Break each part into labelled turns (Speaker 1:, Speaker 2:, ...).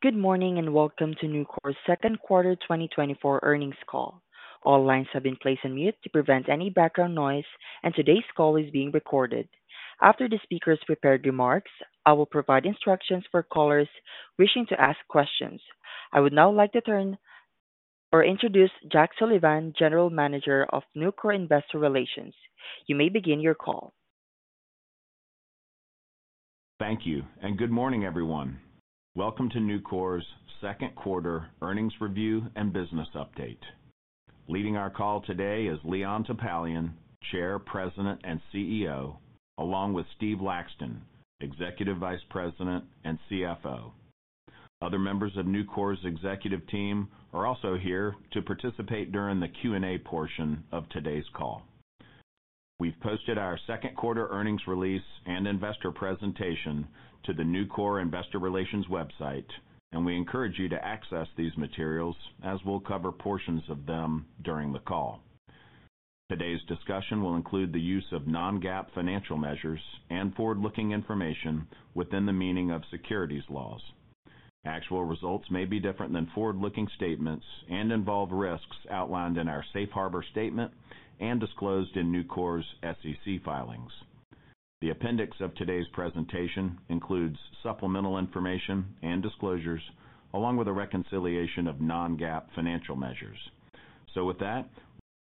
Speaker 1: Good morning, and welcome to Nucor's second quarter 2024 earnings call. All lines have been placed on mute to prevent any background noise, and today's call is being recorded. After the speaker's prepared remarks, I will provide instructions for callers wishing to ask questions. I would now like to turn or introduce Jack Sullivan, General Manager of Nucor Investor Relations. You may begin your call.
Speaker 2: Thank you, and good morning, everyone. Welcome to Nucor's second quarter earnings review and business update. Leading our call today is Leon Topalian, Chair, President, and CEO, along with Steve Laxton, Executive Vice President and CFO. Other members of Nucor's executive team are also here to participate during the Q&A portion of today's call. We've posted our second quarter earnings release and investor presentation to the Nucor Investor Relations website, and we encourage you to access these materials as we'll cover portions of them during the call. Today's discussion will include the use of non-GAAP financial measures and forward-looking information within the meaning of securities laws. Actual results may be different than forward-looking statements and involve risks outlined in our safe harbor statement and disclosed in Nucor's SEC filings. The appendix of today's presentation includes supplemental information and disclosures, along with a reconciliation of non-GAAP financial measures. With that,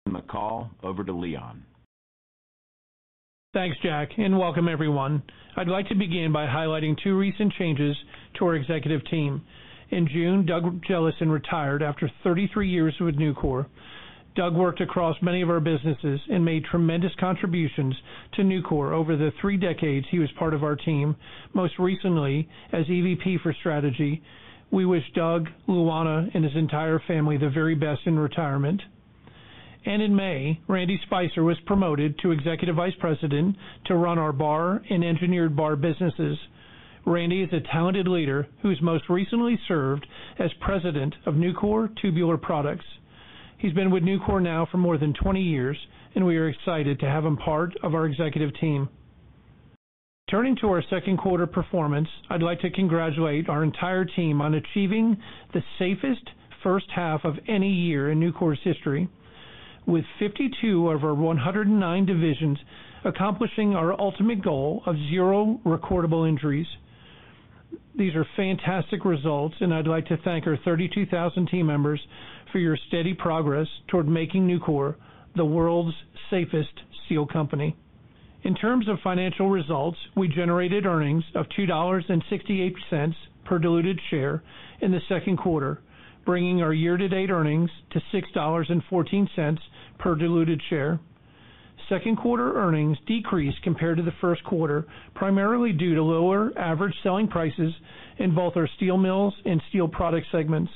Speaker 2: I turn the call over to Leon.
Speaker 3: Thanks, Jack, and welcome, everyone. I'd like to begin by highlighting two recent changes to our executive team. In June, Doug Jellison retired after 33 years with Nucor. Doug worked across many of our businesses and made tremendous contributions to Nucor over the 3 decades he was part of our team, most recently as EVP for Strategy. We wish Doug, Luana, and his entire family the very best in retirement. And in May, Randy Spicer was promoted to Executive Vice President to run our bar and engineered bar businesses. Randy is a talented leader who's most recently served as President of Nucor Tubular Products. He's been with Nucor now for more than 20 years, and we are excited to have him part of our executive team. Turning to our second quarter performance, I'd like to congratulate our entire team on achieving the safest first half of any year in Nucor's history, with 52 of our 109 divisions accomplishing our ultimate goal of zero recordable injuries. These are fantastic results, and I'd like to thank our 32,000 team members for your steady progress toward making Nucor the world's safest steel company. In terms of financial results, we generated earnings of $2.68 per diluted share in the second quarter, bringing our year-to-date earnings to $6.14 per diluted share. Second quarter earnings decreased compared to the first quarter, primarily due to lower average selling prices in both our steel mills and steel product segments.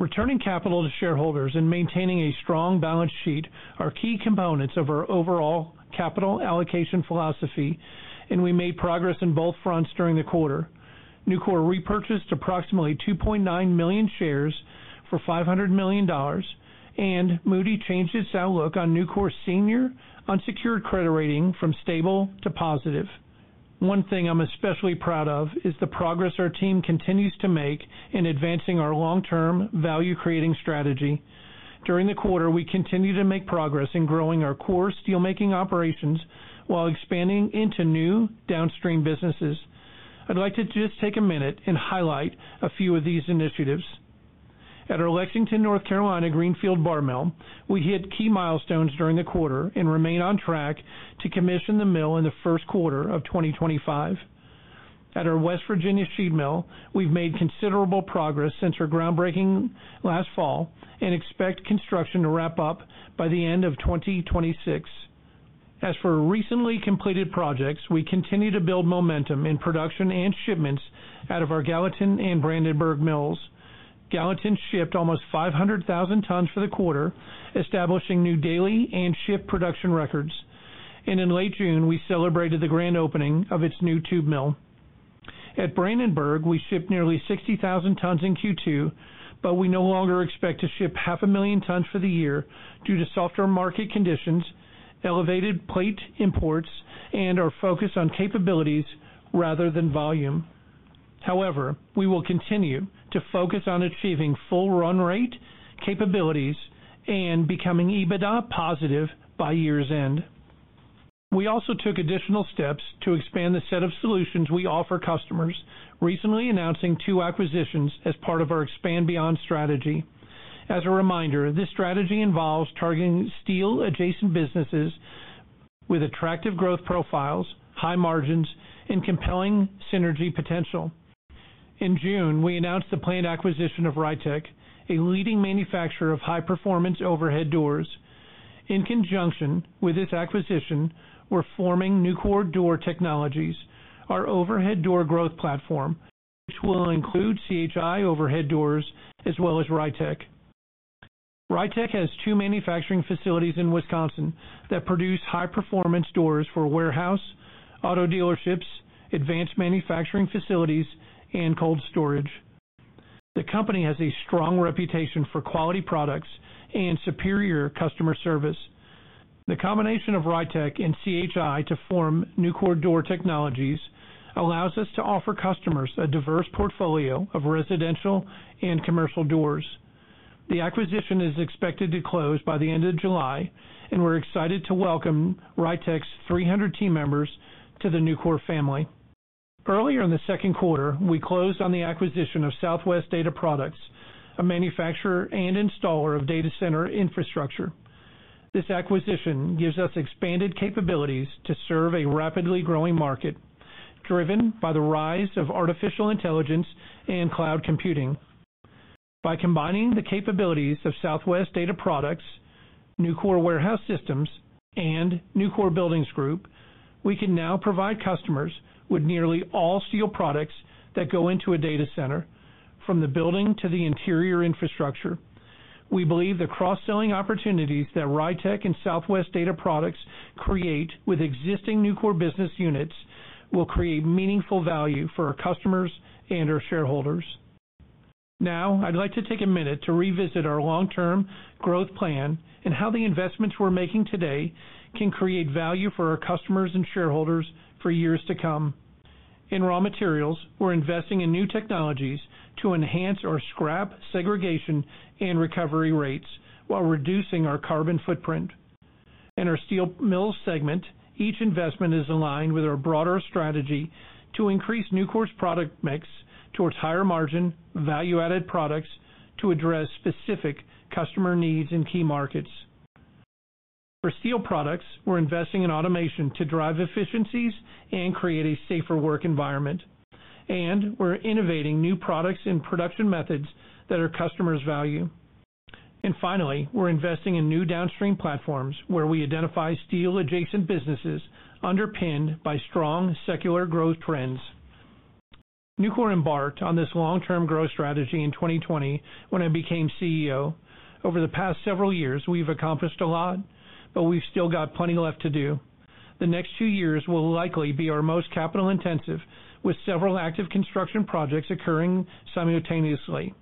Speaker 3: Returning capital to shareholders and maintaining a strong balance sheet are key components of our overall capital allocation philosophy, and we made progress on both fronts during the quarter. Nucor repurchased approximately 2.9 million shares for $500 million, and Moody’s changed its outlook on Nucor's senior unsecured credit rating from stable to positive. One thing I'm especially proud of is the progress our team continues to make in advancing our long-term value-creating strategy. During the quarter, we continued to make progress in growing our core steelmaking operations while expanding into new downstream businesses. I'd like to just take a minute and highlight a few of these initiatives. At our Lexington, North Carolina, greenfield bar mill, we hit key milestones during the quarter and remain on track to commission the mill in the first quarter of 2025. At our West Virginia sheet mill, we've made considerable progress since our groundbreaking last fall and expect construction to wrap up by the end of 2026. As for recently completed projects, we continue to build momentum in production and shipments out of our Gallatin and Brandenburg mills. Gallatin shipped almost 500,000 tons for the quarter, establishing new daily and shift production records. In late June, we celebrated the grand opening of its new tube mill. At Brandenburg, we shipped nearly 60,000 tons in Q2, but we no longer expect to ship 500,000 tons for the year due to softer market conditions, elevated plate imports, and our focus on capabilities rather than volume. However, we will continue to focus on achieving full run rate capabilities and becoming EBITDA positive by year's end. We also took additional steps to expand the set of solutions we offer customers, recently announcing two acquisitions as part of our Expand Beyond strategy. As a reminder, this strategy involves targeting steel-adjacent businesses with attractive growth profiles, high margins, and compelling synergy potential. In June, we announced the planned acquisition of Rytec, a leading manufacturer of high-performance overhead doors. In conjunction with this acquisition, we're forming Nucor Door Technologies, our overhead door growth platform, which will include C.H.I. Overhead Doors as well as Rytec. Rytec has two manufacturing facilities in Wisconsin that produce high-performance doors for warehouse, auto dealerships, advanced manufacturing facilities, and cold storage. The company has a strong reputation for quality products and superior customer service.... The combination of Rytec and C.H.I. to form Nucor Door Technologies allows us to offer customers a diverse portfolio of residential and commercial doors. The acquisition is expected to close by the end of July, and we're excited to welcome Rytec's 300 team members to the Nucor family. Earlier in the second quarter, we closed on the acquisition of Southwest Data Products, a manufacturer and installer of data center infrastructure. This acquisition gives us expanded capabilities to serve a rapidly growing market, driven by the rise of artificial intelligence and cloud computing. By combining the capabilities of Southwest Data Products, Nucor Warehouse Systems, and Nucor Buildings Group, we can now provide customers with nearly all steel products that go into a data center, from the building to the interior infrastructure. We believe the cross-selling opportunities that Rytec and Southwest Data Products create with existing Nucor business units will create meaningful value for our customers and our shareholders. Now, I'd like to take a minute to revisit our long-term growth plan and how the investments we're making today can create value for our customers and shareholders for years to come. In raw materials, we're investing in new technologies to enhance our scrap, segregation, and recovery rates while reducing our carbon footprint. In our steel mill segment, each investment is aligned with our broader strategy to increase Nucor's product mix towards higher margin, value-added products to address specific customer needs in key markets. For steel products, we're investing in automation to drive efficiencies and create a safer work environment, and we're innovating new products and production methods that our customers value. And finally, we're investing in new downstream platforms, where we identify steel-adjacent businesses underpinned by strong secular growth trends. Nucor embarked on this long-term growth strategy in 2020, when I became CEO. Over the past several years, we've accomplished a lot, but we've still got plenty left to do. The next two years will likely be our most capital intensive, with several active construction projects occurring simultaneously.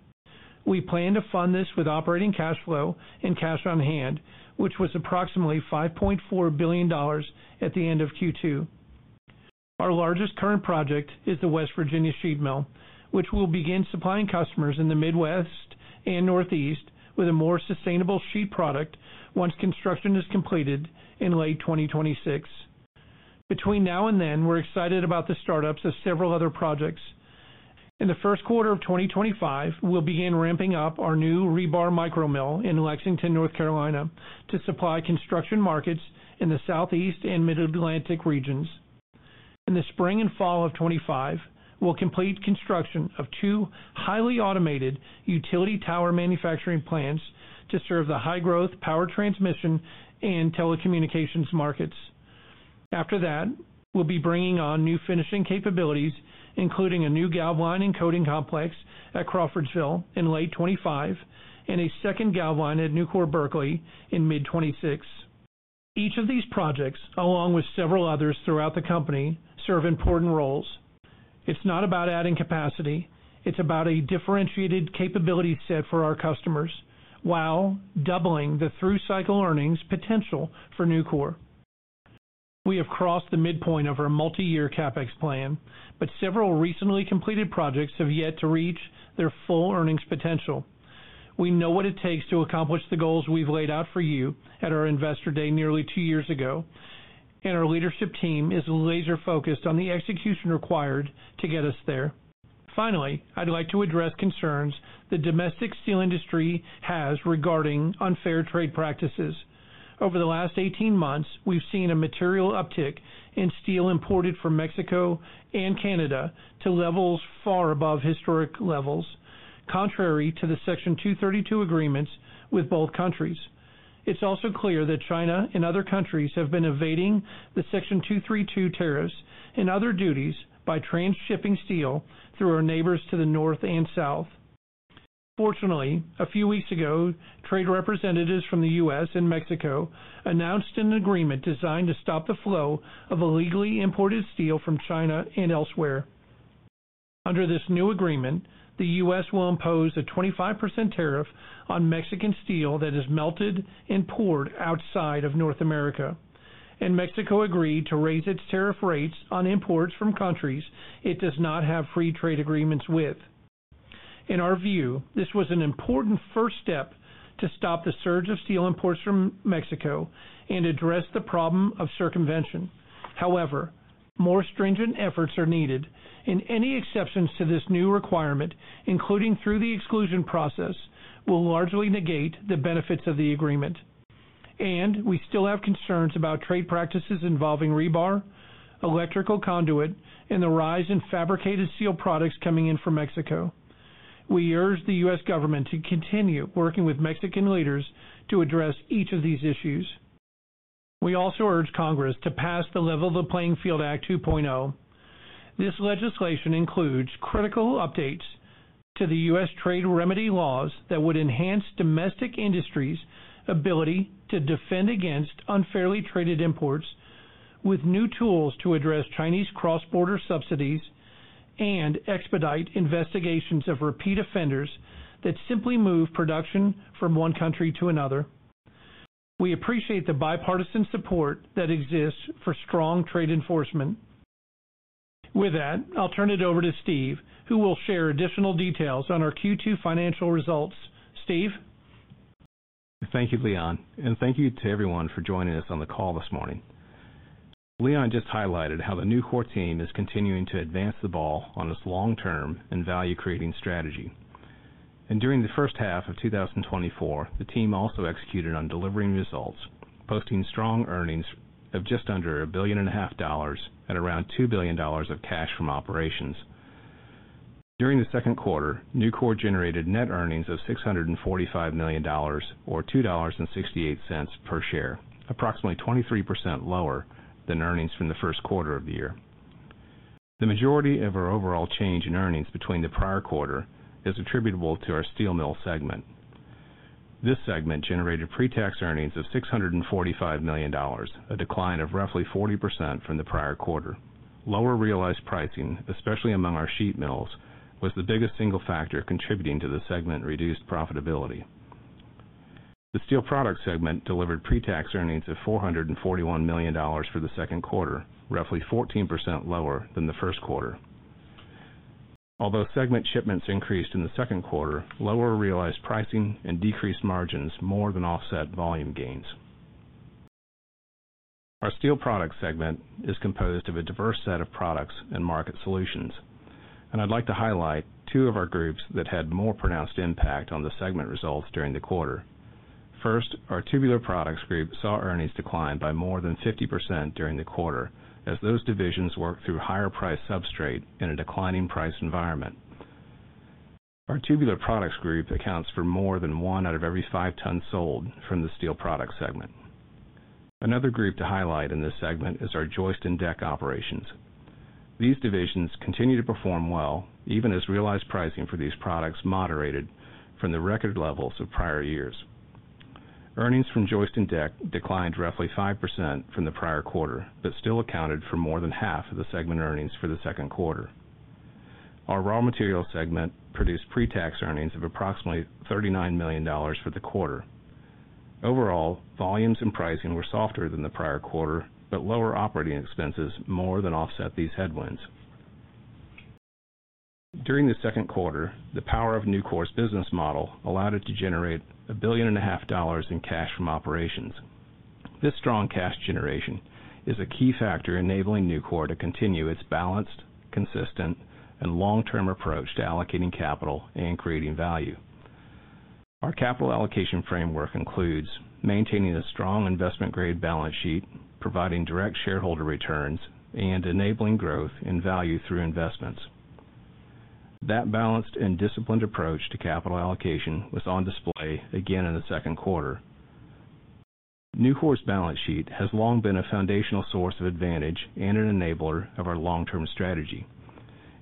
Speaker 3: We plan to fund this with operating cash flow and cash on hand, which was approximately $5.4 billion at the end of Q2. Our largest current project is the West Virginia Sheet Mill, which will begin supplying customers in the Midwest and Northeast with a more sustainable sheet product once construction is completed in late 2026. Between now and then, we're excited about the startups of several other projects. In the first quarter of 2025, we'll begin ramping up our new rebar micro mill in Lexington, North Carolina, to supply construction markets in the Southeast and Mid-Atlantic regions. In the spring and fall of 2025, we'll complete construction of two highly automated utility tower manufacturing plants to serve the high-growth power transmission and telecommunications markets. After that, we'll be bringing on new finishing capabilities, including a new galv line and coating complex at Crawfordsville in late 2025 and a second galv line at Nucor Berkeley in mid-2026. Each of these projects, along with several others throughout the company, serve important roles. It's not about adding capacity, it's about a differentiated capability set for our customers while doubling the through-cycle earnings potential for Nucor. We have crossed the midpoint of our multiyear CapEx plan, but several recently completed projects have yet to reach their full earnings potential. We know what it takes to accomplish the goals we've laid out for you at our Investor Day, nearly 2 years ago, and our leadership team is laser-focused on the execution required to get us there. Finally, I'd like to address concerns the domestic steel industry has regarding unfair trade practices. Over the last 18 months, we've seen a material uptick in steel imported from Mexico and Canada to levels far above historic levels, contrary to the Section 232 agreements with both countries. It's also clear that China and other countries have been evading the Section 232 tariffs and other duties by transshipping steel through our neighbors to the north and south. Fortunately, a few weeks ago, trade representatives from the U.S. and Mexico announced an agreement designed to stop the flow of illegally imported steel from China and elsewhere. Under this new agreement, the U.S. will impose a 25% tariff on Mexican steel that is melted and poured outside of North America, and Mexico agreed to raise its tariff rates on imports from countries it does not have free trade agreements with. In our view, this was an important first step to stop the surge of steel imports from Mexico and address the problem of circumvention. However, more stringent efforts are needed, and any exceptions to this new requirement, including through the exclusion process, will largely negate the benefits of the agreement. We still have concerns about trade practices involving rebar, electrical conduit, and the rise in fabricated steel products coming in from Mexico. We urge the U.S. government to continue working with Mexican leaders to address each of these issues. We also urge Congress to pass the Level the Playing Field Act 2.0. This legislation includes critical updates to the U.S. trade remedy laws that would enhance domestic industries' ability to defend against unfairly traded imports... with new tools to address Chinese cross-border subsidies and expedite investigations of repeat offenders that simply move production from one country to another. We appreciate the bipartisan support that exists for strong trade enforcement. With that, I'll turn it over to Steve, who will share additional details on our Q2 financial results. Steve?
Speaker 4: Thank you, Leon, and thank you to everyone for joining us on the call this morning. Leon just highlighted how the Nucor team is continuing to advance the ball on its long-term and value-creating strategy. During the first half of 2024, the team also executed on delivering results, posting strong earnings of just under $1.5 billion at around $2 billion of cash from operations. During the second quarter, Nucor generated net earnings of $645 million or $2.68 per share, approximately 23% lower than earnings from the first quarter of the year. The majority of our overall change in earnings between the prior quarter is attributable to our steel mill segment. This segment generated pretax earnings of $645 million, a decline of roughly 40% from the prior quarter. Lower realized pricing, especially among our sheet mills, was the biggest single factor contributing to the segment reduced profitability. The steel product segment delivered pretax earnings of $441 million for the second quarter, roughly 14% lower than the first quarter. Although segment shipments increased in the second quarter, lower realized pricing and decreased margins more than offset volume gains. Our steel product segment is composed of a diverse set of products and market solutions, and I'd like to highlight two of our groups that had more pronounced impact on the segment results during the quarter. First, our Tubular Products group saw earnings decline by more than 50% during the quarter, as those divisions worked through higher price substrate in a declining price environment. Our Tubular Products group accounts for more than one out of every five tons sold from the steel product segment. Another group to highlight in this segment is our joist and deck operations. These divisions continue to perform well, even as realized pricing for these products moderated from the record levels of prior years. Earnings from joist and deck declined roughly 5% from the prior quarter, but still accounted for more than half of the segment earnings for the second quarter. Our raw material segment produced pretax earnings of approximately $39 million for the quarter. Overall, volumes and pricing were softer than the prior quarter, but lower operating expenses more than offset these headwinds. During the second quarter, the power of Nucor's business model allowed it to generate $1.5 billion in cash from operations. This strong cash generation is a key factor enabling Nucor to continue its balanced, consistent, and long-term approach to allocating capital and creating value. Our capital allocation framework includes maintaining a strong investment-grade balance sheet, providing direct shareholder returns, and enabling growth in value through investments. That balanced and disciplined approach to capital allocation was on display again in the second quarter. Nucor's balance sheet has long been a foundational source of advantage and an enabler of our long-term strategy.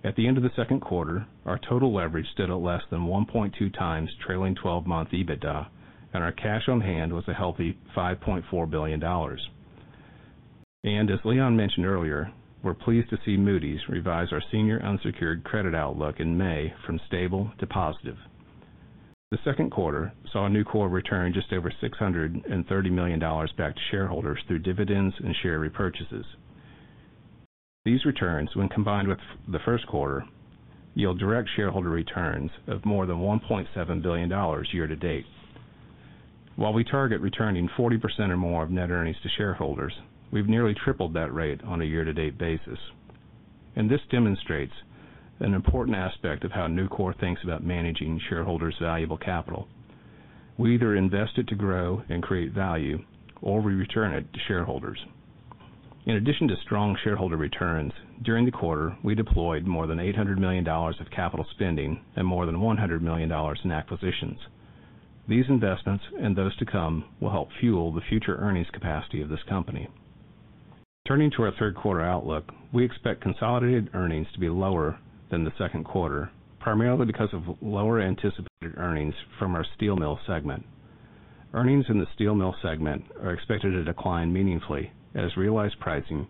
Speaker 4: At the end of the second quarter, our total leverage stood at less than 1.2x, trailing twelve-month EBITDA, and our cash on hand was a healthy $5.4 billion. As Leon mentioned earlier, we're pleased to see Moody's revise our senior unsecured credit outlook in May from stable to positive. The second quarter saw Nucor return just over $630 million back to shareholders through dividends and share repurchases. These returns, when combined with the first quarter, yield direct shareholder returns of more than $1.7 billion year-to-date. While we target returning 40% or more of net earnings to shareholders, we've nearly tripled that rate on a year-to-date basis. This demonstrates an important aspect of how Nucor thinks about managing shareholders' valuable capital. We either invest it to grow and create value, or we return it to shareholders. In addition to strong shareholder returns, during the quarter, we deployed more than $800 million of capital spending and more than $100 million in acquisitions. These investments and those to come will help fuel the future earnings capacity of this company. Turning to our third quarter outlook, we expect consolidated earnings to be lower than the second quarter, primarily because of lower anticipated earnings from our steel mill segment. Earnings in the steel mill segment are expected to decline meaningfully as realized pricing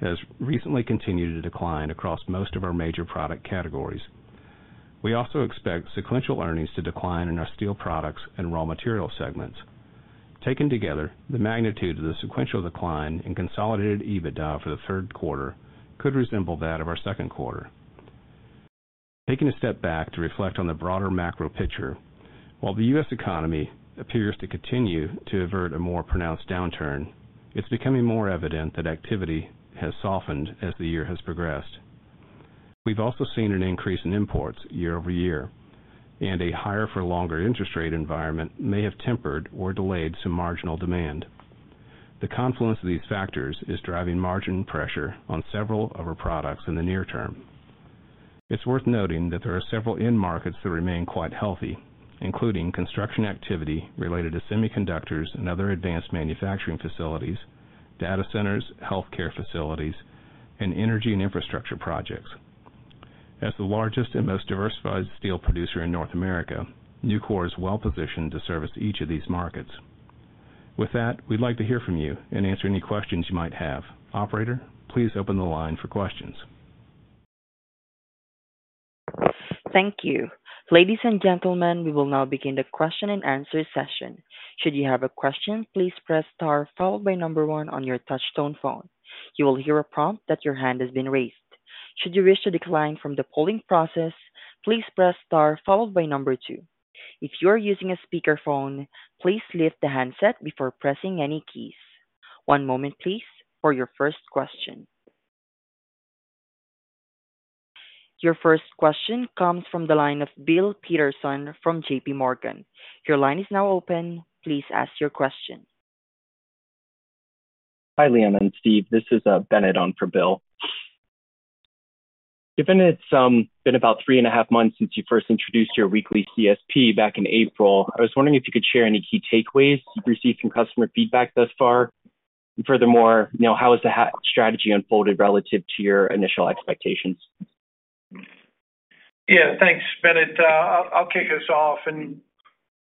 Speaker 4: has recently continued to decline across most of our major product categories. We also expect sequential earnings to decline in our steel products and raw material segments. Taken together, the magnitude of the sequential decline in consolidated EBITDA for the third quarter could resemble that of our second quarter. Taking a step back to reflect on the broader macro picture, while the U.S. economy appears to continue to avert a more pronounced downturn, it's becoming more evident that activity has softened as the year has progressed. We've also seen an increase in imports year-over-year, and a higher for longer interest rate environment may have tempered or delayed some marginal demand. The confluence of these factors is driving margin pressure on several of our products in the near term. It's worth noting that there are several end markets that remain quite healthy, including construction activity related to semiconductors and other advanced manufacturing facilities, data centers, healthcare facilities, and energy and infrastructure projects. As the largest and most diversified steel producer in North America, Nucor is well-positioned to service each of these markets. With that, we'd like to hear from you and answer any questions you might have. Operator, please open the line for questions.
Speaker 1: Thank you. Ladies and gentlemen, we will now begin the question-and-answer session. Should you have a question, please press star followed by number one on your touch-tone phone. You will hear a prompt that your hand has been raised. Should you wish to decline from the polling process, please press star followed by number two. If you are using a speakerphone, please lift the handset before pressing any keys. One moment, please, for your first question. Your first question comes from the line of Bill Peterson from JPMorgan. Your line is now open. Please ask your question.
Speaker 5: Hi, Leon and Steve. This is Bennett on for Bill. Given it's been about three and a half months since you first introduced your weekly CSP back in April, I was wondering if you could share any key takeaways you've received from customer feedback thus far. And furthermore, you know, how has the strategy unfolded relative to your initial expectations?
Speaker 3: Yeah, thanks, Bennett. I'll kick us off, and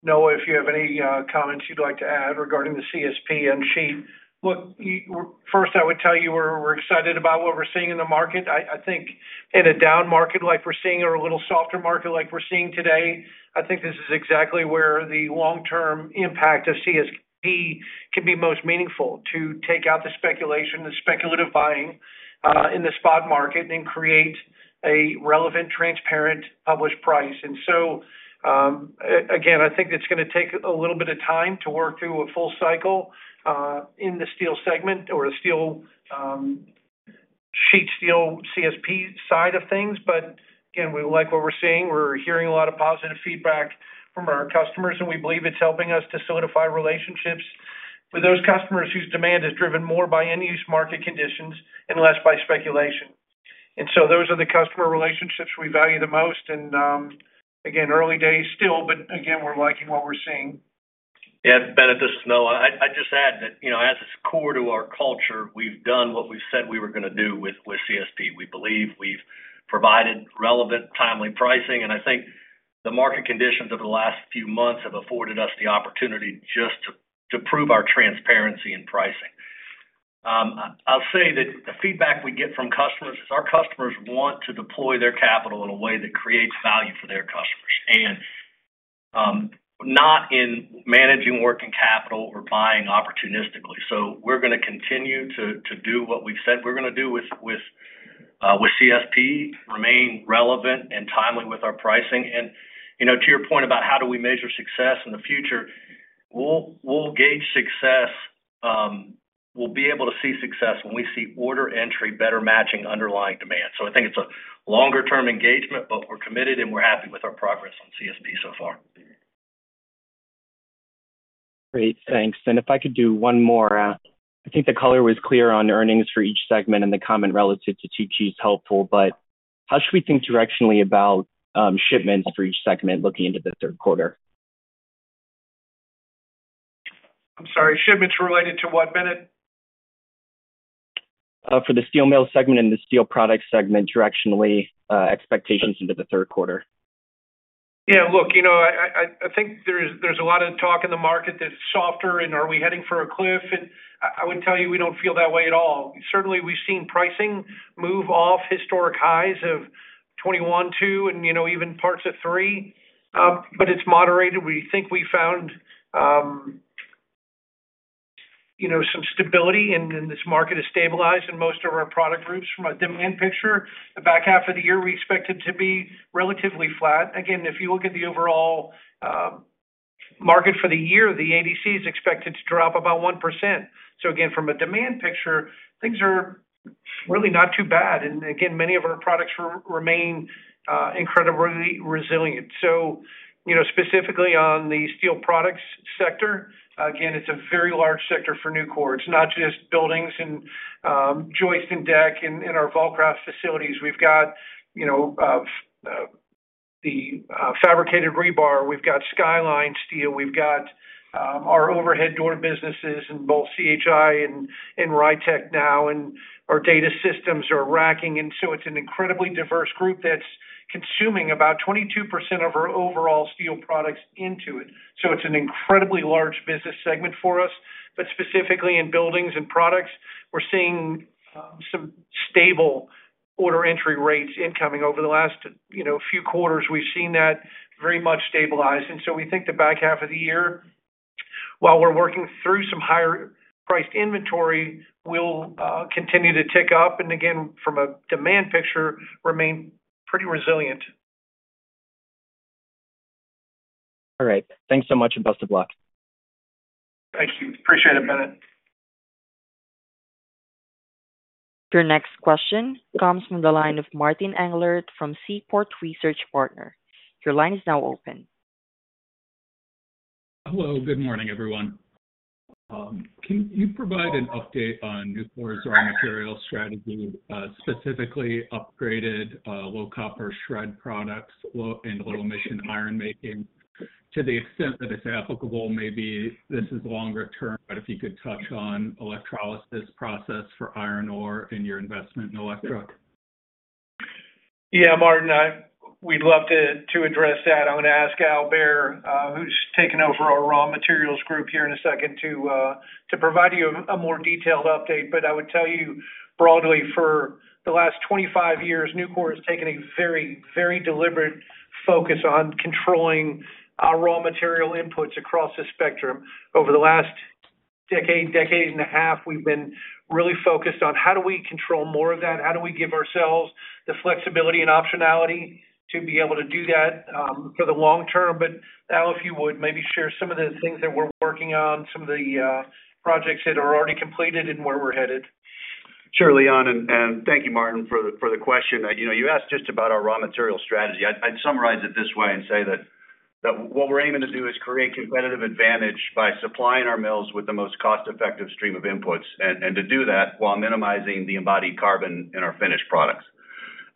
Speaker 3: Noah, if you have any comments you'd like to add regarding the CSP and sheet. Look, first, I would tell you we're excited about what we're seeing in the market. I think in a down market like we're seeing or a little softer market like we're seeing today, I think this is exactly where the long-term impact of CSP can be most meaningful, to take out the speculation, the speculative buying in the spot market and create a relevant, transparent, published price. And so, again, I think it's gonna take a little bit of time to work through a full cycle in the steel segment or the steel sheet steel CSP side of things. But again, we like what we're seeing. We're hearing a lot of positive feedback from our customers, and we believe it's helping us to solidify relationships with those customers whose demand is driven more by end-use market conditions and less by speculation. And so those are the customer relationships we value the most. And, again, early days still, but again, we're liking what we're seeing.
Speaker 6: Yeah, Bennett, this is Noah. I'd just add that, you know, as it's core to our culture, we've done what we've said we were gonna do with CSP. We believe we've provided relevant, timely pricing, and I think the market conditions over the last few months have afforded us the opportunity just to prove our transparency in pricing. I'll say that the feedback we get from customers is our customers want to deploy their capital in a way that creates value for their customers, and not in managing working capital or buying opportunistically. So we're gonna continue to do what we've said we're gonna do with CSP, remain relevant and timely with our pricing. And, you know, to your point about how do we measure success in the future, we'll gauge success. We'll be able to see success when we see order entry better matching underlying demand. So I think it's a longer-term engagement, but we're committed, and we're happy with our progress on CSP so far.
Speaker 5: Great, thanks. And if I could do one more, I think the color was clear on earnings for each segment and the commentary relative to 2Q is helpful, but how should we think directionally about shipments for each segment looking into the third quarter?
Speaker 3: I'm sorry, shipments related to what, Bennett?
Speaker 5: For the steel mill segment and the steel product segment, directionally, expectations into the third quarter.
Speaker 3: Yeah, look, you know, I think there's a lot of talk in the market that's softer and are we heading for a cliff? And I would tell you, we don't feel that way at all. Certainly, we've seen pricing move off historic highs of 2021-2022 and, you know, even parts of 2023, but it's moderated. We think we found, you know, some stability and this market has stabilized in most of our product groups from a demand picture. The back half of the year, we expect it to be relatively flat. Again, if you look at the overall, market for the year, the ADC is expected to drop about 1%. So again, from a demand picture, things are really not too bad. And again, many of our products remain incredibly resilient. So, you know, specifically on the steel products sector, again, it's a very large sector for Nucor. It's not just buildings and joist and deck in our Vulcraft facilities. We've got, you know, fabricated rebar. We've got Skyline Steel. We've got our overhead door businesses in both C.H.I. and Rytec now, and our data systems, our racking, and. So it's an incredibly diverse group that's consuming about 22% of our overall steel products into it. So it's an incredibly large business segment for us. But specifically in buildings and products, we're seeing some stable order entry rates incoming. Over the last, you know, few quarters, we've seen that very much stabilized. So we think the back half of the year, while we're working through some higher-priced inventory, will continue to tick up, and again, from a demand picture, remain pretty resilient.
Speaker 5: All right. Thanks so much, and best of luck.
Speaker 3: Thank you. Appreciate it, Bennett.
Speaker 1: Your next question comes from the line of Martin Englert from Seaport Research Partners. Your line is now open.
Speaker 7: Hello, good morning, everyone. Can you provide an update on Nucor's raw material strategy, specifically upgraded low copper shred products, low- and low-emission ironmaking? To the extent that it's applicable, maybe this is longer term, but if you could touch on electrolysis process for iron ore in your investment in Electra....
Speaker 3: Yeah, Martin, we'd love to, to address that. I'm gonna ask Al Behr, who's taken over our raw materials group here in a second, to provide you a more detailed update. But I would tell you broadly, for the last 25 years, Nucor has taken a very, very deliberate focus on controlling our raw material inputs across the spectrum. Over the last decade, decade and a half, we've been really focused on how do we control more of that? How do we give ourselves the flexibility and optionality to be able to do that, for the long term? But Al, if you would, maybe share some of the things that we're working on, some of the projects that are already completed and where we're headed.
Speaker 8: Sure, Leon, and thank you, Martin, for the question. You know, you asked just about our raw material strategy. I'd summarize it this way and say that what we're aiming to do is create competitive advantage by supplying our mills with the most cost-effective stream of inputs, and to do that while minimizing the embodied carbon in our finished products.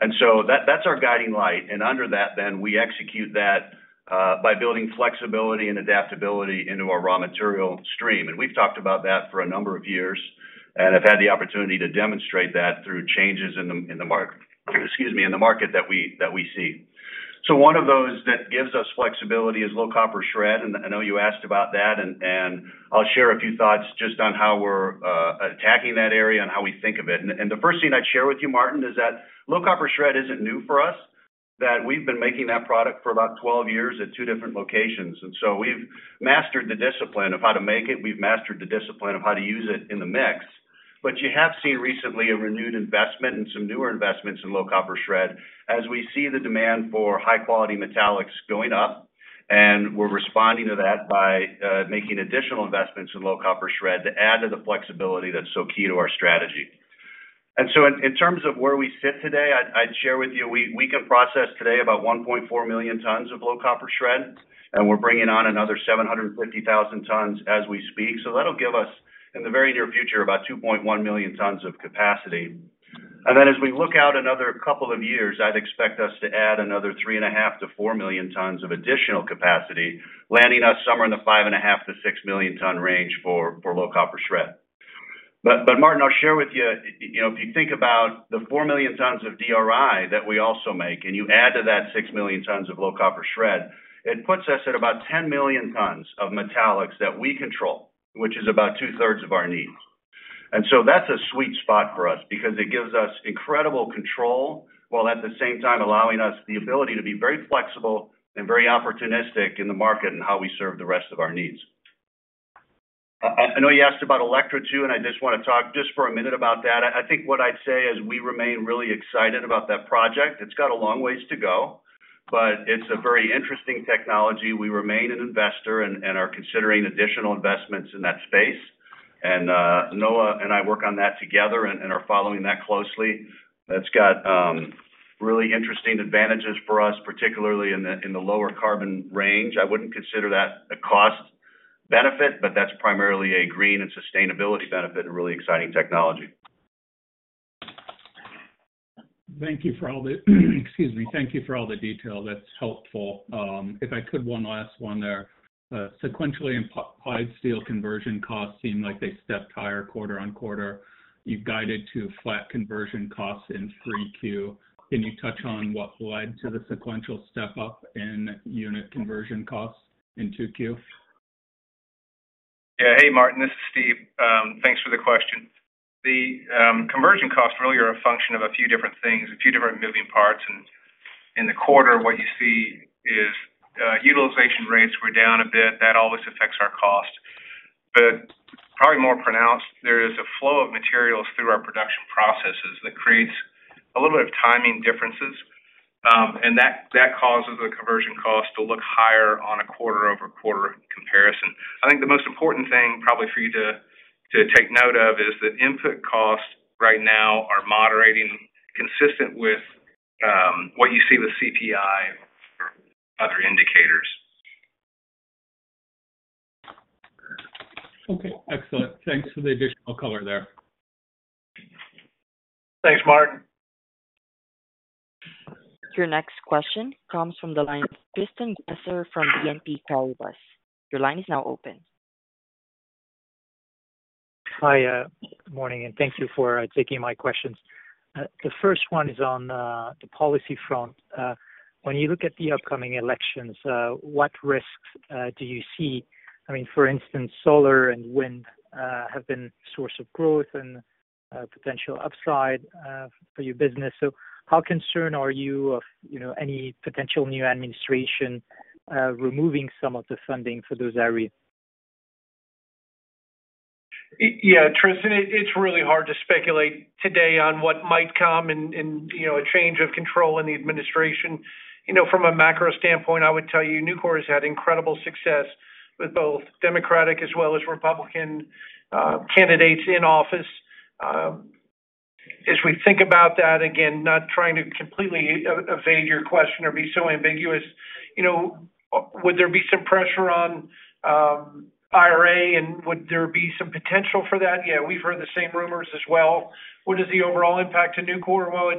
Speaker 8: And so that's our guiding light, and under that then, we execute that by building flexibility and adaptability into our raw material stream. And we've talked about that for a number of years, and have had the opportunity to demonstrate that through changes in the market that we see. So one of those that gives us flexibility is low copper shred, and I know you asked about that, and, and I'll share a few thoughts just on how we're attacking that area and how we think of it. And, and the first thing I'd share with you, Martin, is that low copper shred isn't new for us, that we've been making that product for about 12 years at two different locations. And so we've mastered the discipline of how to make it, we've mastered the discipline of how to use it in the mix. But you have seen recently a renewed investment and some newer investments in low copper shred, as we see the demand for high-quality metallics going up, and we're responding to that by making additional investments in low copper shred to add to the flexibility that's so key to our strategy. And so in terms of where we sit today, I'd share with you, we can process today about 1.4 million tons of low copper shred, and we're bringing on another 750,000 tons as we speak. So that'll give us, in the very near future, about 2.1 million tons of capacity. And then, as we look out another couple of years, I'd expect us to add another 3.5-4 million tons of additional capacity, landing us somewhere in the 5.5-6 million ton range for low copper shred. But, but, Martin, I'll share with you, you know, if you think about the 4 million tons of DRI that we also make, and you add to that 6 million tons of low copper shred, it puts us at about 10 million tons of metallics that we control, which is about two-thirds of our needs. And so that's a sweet spot for us, because it gives us incredible control, while at the same time allowing us the ability to be very flexible and very opportunistic in the market and how we serve the rest of our needs. I, I know you asked about Electra, too, and I just want to talk just for a minute about that. I think what I'd say is we remain really excited about that project. It's got a long ways to go, but it's a very interesting technology. We remain an investor and are considering additional investments in that space. And Noah and I work on that together and are following that closely. That's got really interesting advantages for us, particularly in the lower carbon range. I wouldn't consider that a cost benefit, but that's primarily a green and sustainability benefit and really exciting technology.
Speaker 7: Thank you for all the detail. Excuse me, that's helpful. If I could, one last one there. Sequentially, implied steel conversion costs seem like they stepped higher quarter-over-quarter. You've guided to flat conversion costs in three Q. Can you touch on what led to the sequential step-up in unit conversion costs in two Q?
Speaker 4: Yeah. Hey, Martin, this is Steve. Thanks for the question. The conversion costs really are a function of a few different things, a few different moving parts. And in the quarter, what you see is utilization rates were down a bit. That always affects our cost. But probably more pronounced, there is a flow of materials through our production processes that creates a little bit of timing differences, and that causes the conversion costs to look higher on a quarter-over-quarter comparison. I think the most important thing probably for you to take note of is that input costs right now are moderating consistent with what you see with CPI and other indicators.
Speaker 7: Okay, excellent. Thanks for the additional color there.
Speaker 3: Thanks, Martin.
Speaker 1: Your next question comes from the line of Tristan Gressier from BNP Paribas. Your line is now open.
Speaker 9: Hi, good morning, and thank you for taking my questions. The first one is on the policy front. When you look at the upcoming elections, what risks do you see? I mean, for instance, solar and wind have been source of growth and potential upside for your business. So how concerned are you of, you know, any potential new administration removing some of the funding for those areas?
Speaker 3: Yeah, Tristan, it's really hard to speculate today on what might come and, you know, a change of control in the administration. You know, from a macro standpoint, I would tell you, Nucor has had incredible success with both Democratic as well as Republican candidates in office. As we think about that, again, not trying to completely evade your question or be so ambiguous, you know, would there be some pressure on IRA and would there be some potential for that? Yeah, we've heard the same rumors as well. What is the overall impact to Nucor? Well,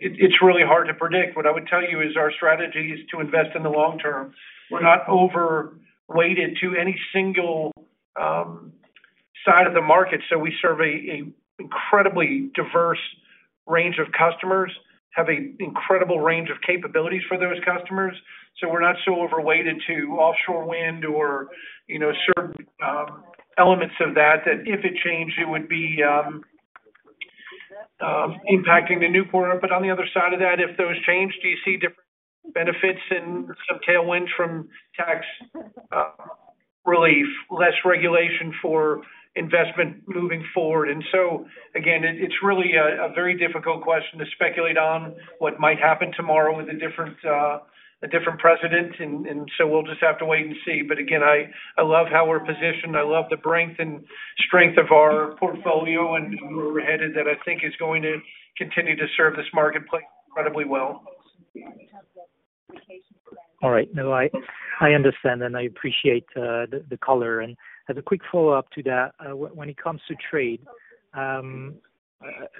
Speaker 3: it's really hard to predict. What I would tell you is our strategy is to invest in the long term. We're not overweighted to any single... side of the market, so we serve a incredibly diverse range of customers, have a incredible range of capabilities for those customers. So we're not so overweighted to offshore wind or, you know, certain elements of that, that if it changed, it would be impacting the Nucor. But on the other side of that, if those change, do you see different benefits and some tailwind from tax relief, less regulation for investment moving forward? And so again, it, it's really a very difficult question to speculate on what might happen tomorrow with a different president. And so we'll just have to wait and see. But again, I love how we're positioned. I love the breadth and strength of our portfolio and where we're headed, that I think is going to continue to serve this marketplace incredibly well.
Speaker 9: All right. No, I understand, and I appreciate the color. And as a quick follow-up to that, when it comes to trade, a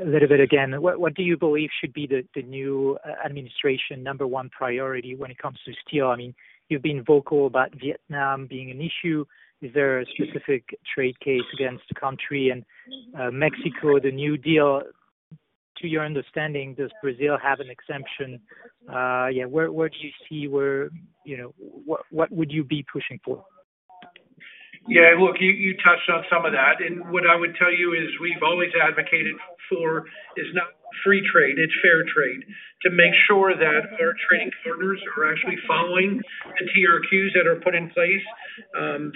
Speaker 9: little bit again, what do you believe should be the new administration number one priority when it comes to steel? I mean, you've been vocal about Vietnam being an issue. Is there a specific trade case against the country and Mexico, the new deal, to your understanding, does Brazil have an exemption? Yeah, where do you see where, you know... What would you be pushing for?
Speaker 3: Yeah, look, you, you touched on some of that. And what I would tell you is we've always advocated for is not free trade, it's fair trade, to make sure that our trading partners are actually following the TRQs that are put in place,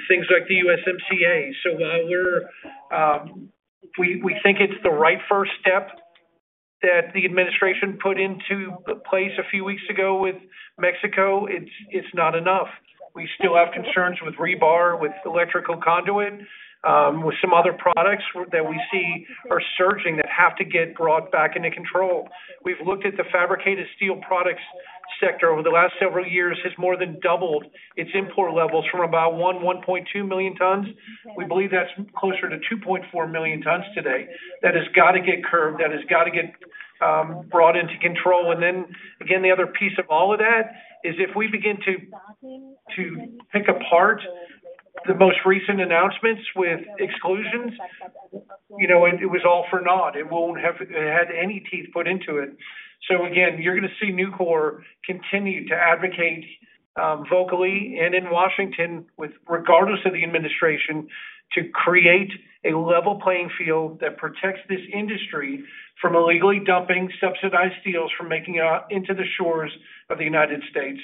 Speaker 3: things like the USMCA. So while we're, we, we think it's the right first step that the administration put into place a few weeks ago with Mexico, it's, it's not enough. We still have concerns with rebar, with electrical conduit, with some other products that we see are surging, that have to get brought back into control. We've looked at the fabricated steel products sector over the last several years, has more than doubled its import levels from about 1.2 million tons. We believe that's closer to 2.4 million tons today. That has got to get curbed, that has got to get brought into control. And then, again, the other piece of all of that, is if we begin to pick apart the most recent announcements with exclusions, you know, it was all for naught. It won't have had any teeth put into it. So again, you're going to see Nucor continue to advocate vocally and in Washington with, regardless of the administration, to create a level playing field that protects this industry from illegally dumping subsidized steels from making it out into the shores of the United States.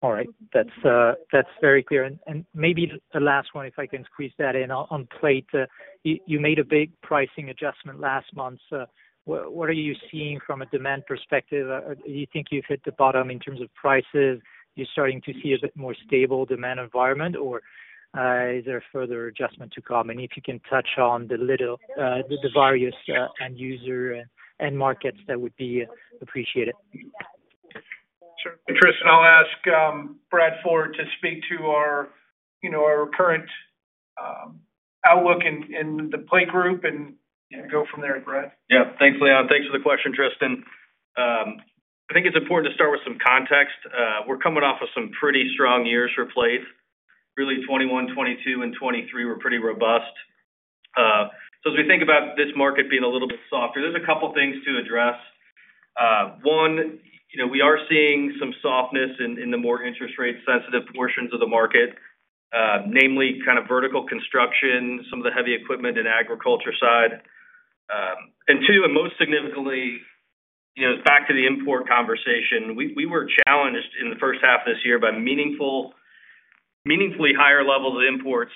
Speaker 9: All right. That's very clear. And maybe the last one, if I can squeeze that in, on plate. You made a big pricing adjustment last month. So what are you seeing from a demand perspective? Do you think you've hit the bottom in terms of prices? You're starting to see a bit more stable demand environment, or is there further adjustment to come? And if you can touch on the various end user and end markets, that would be appreciated.
Speaker 3: Sure, Tristan, I'll ask Brad Ford to speak to our, you know, our current outlook in the plate group and go from there. Brad?
Speaker 10: Yeah. Thanks, Leon. Thanks for the question, Tristan. I think it's important to start with some context. We're coming off of some pretty strong years for plate. Really, 2021, 2022, and 2023 were pretty robust. So as we think about this market being a little bit softer, there's a couple things to address. One, you know, we are seeing some softness in the more interest rate sensitive portions of the market, namely kind of vertical construction, some of the heavy equipment and agriculture side. And two, and most significantly, you know, back to the import conversation, we were challenged in the first half of this year by meaningfully higher levels of imports,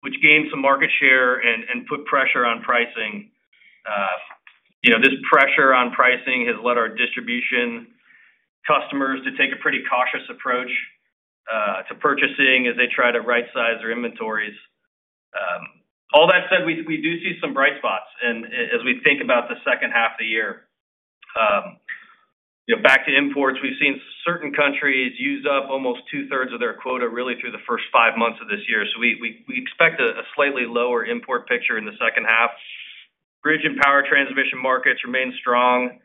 Speaker 10: which gained some market share and put pressure on pricing. You know, this pressure on pricing has led our distribution customers to take a pretty cautious approach to purchasing as they try to rightsize their inventories. All that said, we do see some bright spots as we think about the second half of the year. You know, back to imports, we've seen certain countries use up almost two-thirds of their quota, really, through the first five months of this year. So we expect a slightly lower import picture in the second half. Bridge and power transmission markets remain strong,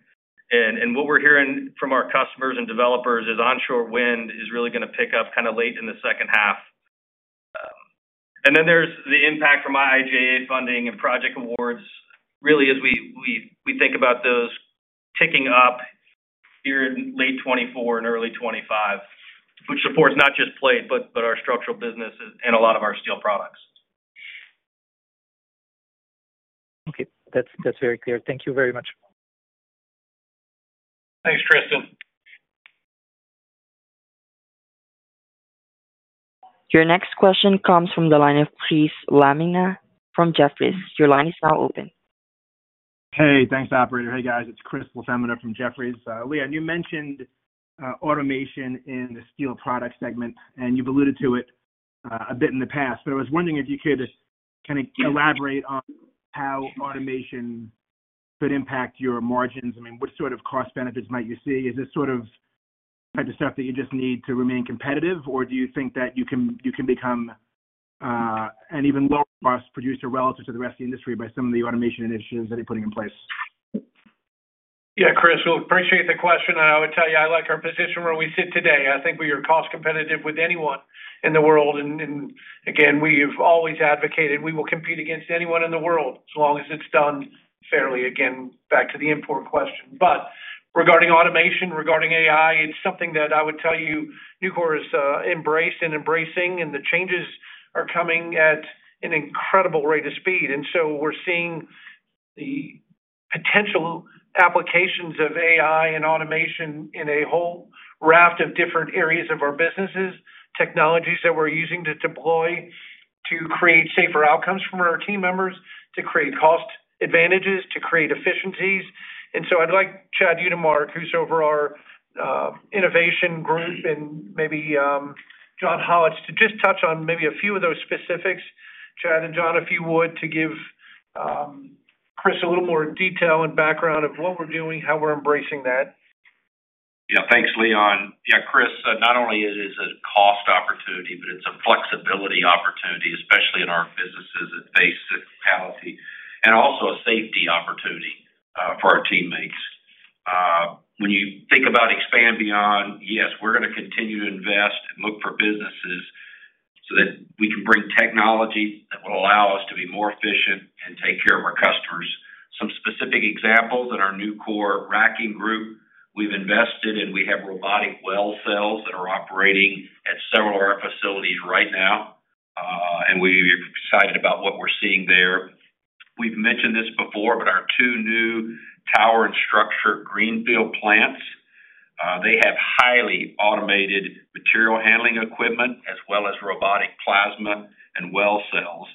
Speaker 10: and what we're hearing from our customers and developers is onshore wind is really going to pick up kind of late in the second half. And then there's the impact from IIJA funding and project awards, really, as we think about those picking up here in late 2024 and early 2025, which supports not just plate, but our structural business and a lot of our steel products.
Speaker 9: Okay. That's, that's very clear. Thank you very much.
Speaker 3: Thanks, Tristan.
Speaker 1: Your next question comes from the line of Chris LaFemina from Jefferies. Your line is now open.
Speaker 11: Hey, thanks, operator. Hey, guys, it's Chris LaFemina from Jefferies. Leon, you mentioned, automation in the steel product segment, and you've alluded to it, a bit in the past, but I was wondering if you could just kind of elaborate on how automation could impact your margins. I mean, what sort of cost benefits might you see? Is this sort of type of stuff that you just need to remain competitive, or do you think that you can, you can become, an even lower cost producer relative to the rest of the industry by some of the automation initiatives that you're putting in place?...
Speaker 3: Yeah, Chris, we appreciate the question, and I would tell you, I like our position where we sit today. I think we are cost competitive with anyone in the world, and, and again, we've always advocated we will compete against anyone in the world as long as it's done fairly. Again, back to the import question. But regarding automation, regarding AI, it's something that I would tell you, Nucor is embraced and embracing, and the changes are coming at an incredible rate of speed. And so we're seeing the potential applications of AI and automation in a whole raft of different areas of our businesses, technologies that we're using to deploy, to create safer outcomes from our team members, to create cost advantages, to create efficiencies. And so I'd like, Chad Utermark, who's over our innovation group, and maybe John Hollatz, to just touch on maybe a few of those specifics. Chad and John, if you would, to give Chris a little more detail and background of what we're doing, how we're embracing that.
Speaker 12: Yeah. Thanks, Leon. Yeah, Chris, not only is it a cost opportunity, but it's a flexibility opportunity, especially in our businesses that face cyclicality, and also a safety opportunity for our teammates. When you think about expanding beyond, yes, we're gonna continue to invest and look for businesses so that we can bring technology that will allow us to be more efficient and take care of our customers. Some specific examples in our Nucor Racking Group, we've invested, and we have robotic weld cells that are operating at several of our facilities right now, and we're excited about what we're seeing there. We've mentioned this before, but our two new tower and structure greenfield plants, they have highly automated material handling equipment as well as robotic plasma and weld cells.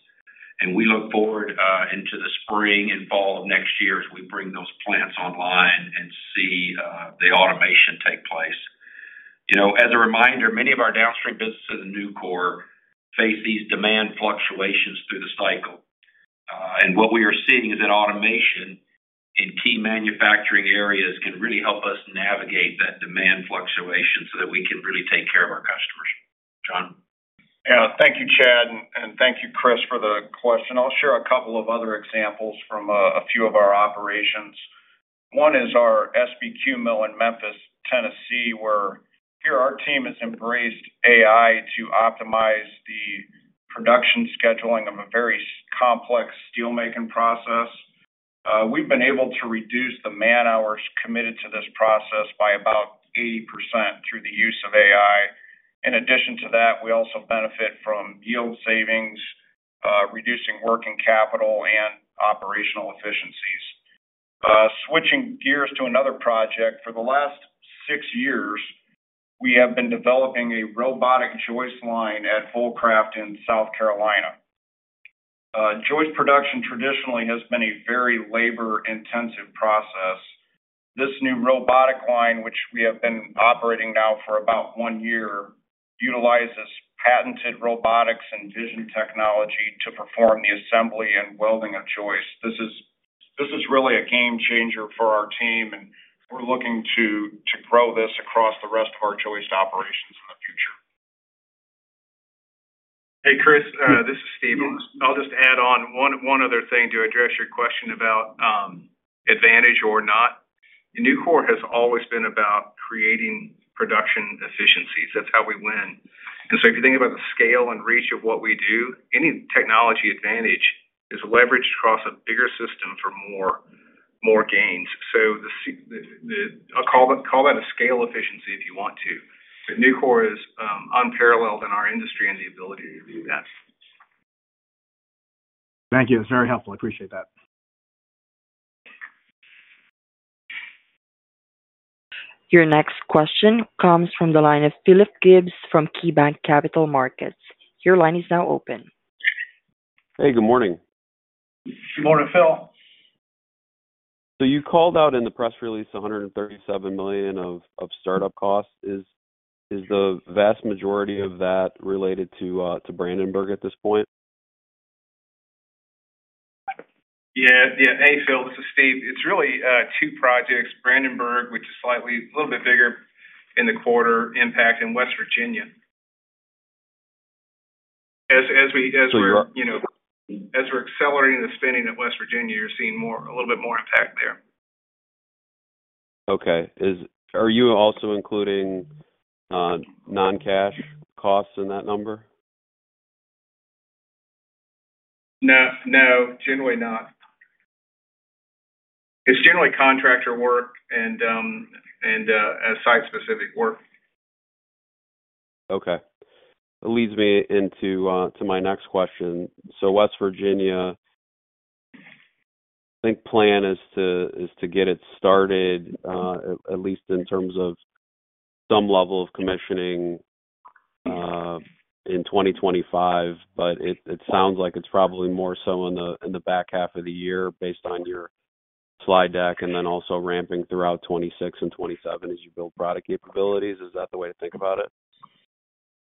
Speaker 12: We look forward into the spring and fall of next year as we bring those plants online and see the automation take place. You know, as a reminder, many of our downstream businesses in Nucor face these demand fluctuations through the cycle. What we are seeing is that automation in key manufacturing areas can really help us navigate that demand fluctuation so that we can really take care of our customers. John?
Speaker 13: Yeah. Thank you, Chad, and thank you, Chris, for the question. I'll share a couple of other examples from a few of our operations. One is our SBQ mill in Memphis, Tennessee, where our team has embraced AI to optimize the production scheduling of a very complex steelmaking process. We've been able to reduce the man-hours committed to this process by about 80% through the use of AI. In addition to that, we also benefit from yield savings, reducing working capital and operational efficiencies. Switching gears to another project, for the last 6 years, we have been developing a robotic joist line at Vulcraft in South Carolina. Joist production traditionally has been a very labor-intensive process. This new robotic line, which we have been operating now for about one year, utilizes patented robotics and vision technology to perform the assembly and welding of joists. This is, this is really a game changer for our team, and we're looking to, to grow this across the rest of our joist operations in the future.
Speaker 4: Hey, Chris, this is Steve. I'll just add on one other thing to address your question about advantage or not. Nucor has always been about creating production efficiencies. That's how we win. And so if you think about the scale and reach of what we do, any technology advantage is leveraged across a bigger system for more gains. So, call that a scale efficiency if you want to. Nucor is unparalleled in our industry and the ability to do that.
Speaker 11: Thank you. It's very helpful. I appreciate that.
Speaker 1: Your next question comes from the line of Philip Gibbs from KeyBanc Capital Markets. Your line is now open.
Speaker 14: Hey, good morning.
Speaker 3: Good morning, Phil.
Speaker 14: So you called out in the press release, $137 million of startup costs. Is the vast majority of that related to Brandenburg at this point?
Speaker 4: Yeah. Yeah. Hey, Phil, this is Steve. It's really two projects, Brandenburg, which is slightly a little bit bigger in the quarter, impact in West Virginia. As we're-
Speaker 14: So you're-
Speaker 4: You know, as we're accelerating the spending at West Virginia, you're seeing more, a little bit more impact there.
Speaker 14: Okay. Are you also including non-cash costs in that number?
Speaker 4: No, no, generally not. It's generally contractor work and site-specific work.
Speaker 14: Okay. That leads me into, to my next question. So West Virginia, I think plan is to get it started, at least in terms of some level of commissioning, in 2025, but it sounds like it's probably more so in the back half of the year based on your slide deck, and then also ramping throughout 2026 and 2027 as you build product capabilities. Is that the way to think about it?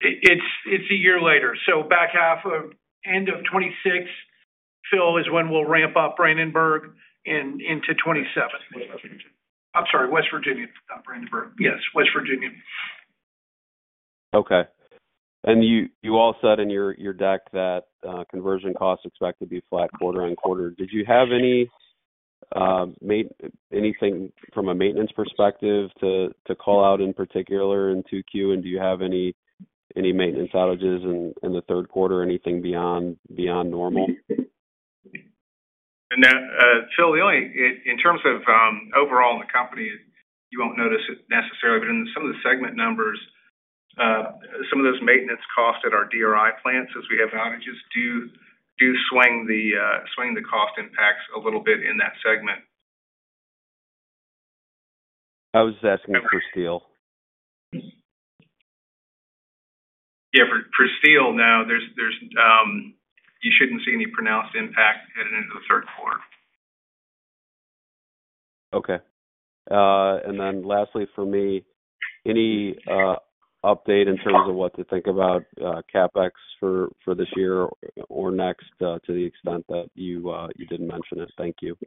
Speaker 3: It's a year later. So back half of end of 2026, Phil, is when we'll ramp up Brandenburg into 2027. West Virginia. I'm sorry, West Virginia, not Brandenburg. Yes, West Virginia....
Speaker 14: Okay. And you all said in your deck that conversion costs expect to be flat quarter-over-quarter. Did you have any anything from a maintenance perspective to call out in particular in 2Q? And do you have any maintenance outages in the third quarter or anything beyond normal?
Speaker 4: And now, Phil, the only, in terms of overall in the company, you won't notice it necessarily, but in some of the segment numbers, some of those maintenance costs at our DRI plants, as we have outages, do swing the cost impacts a little bit in that segment.
Speaker 14: I was asking for steel.
Speaker 4: Yeah, for steel now, you shouldn't see any pronounced impact headed into the third quarter.
Speaker 14: Okay. And then lastly, for me, any update in terms of what to think about CapEx for this year or next, to the extent that you didn't mention it? Thank you.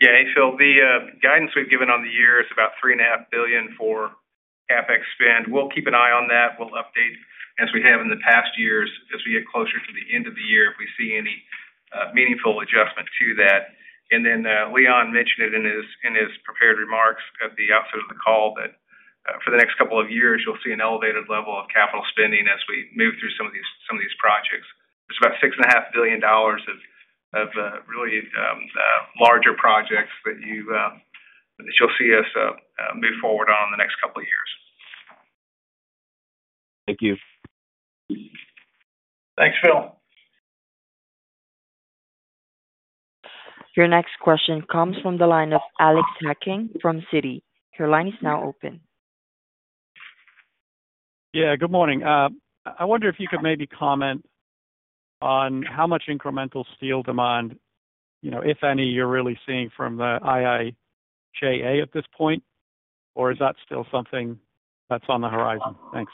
Speaker 4: Yeah. So the guidance we've given on the year is about $3.5 billion for CapEx spend. We'll keep an eye on that. We'll update as we have in the past years, as we get closer to the end of the year, if we see any meaningful adjustment to that. And then, Leon mentioned it in his prepared remarks at the outset of the call, that, for the next couple of years, you'll see an elevated level of capital spending as we move through some of these projects. There's about $6.5 billion of really larger projects that you'll see us move forward on in the next couple of years.
Speaker 14: Thank you.
Speaker 3: Thanks, Phil.
Speaker 1: Your next question comes from the line of Alex Hacking from Citi. Your line is now open.
Speaker 15: Yeah, good morning. I wonder if you could maybe comment on how much incremental steel demand, you know, if any, you're really seeing from the IIJA at this point, or is that still something that's on the horizon? Thanks.